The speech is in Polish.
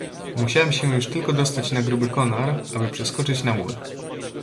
"Miałem się już tylko dostać na gruby konar, aby przeskoczyć na mur."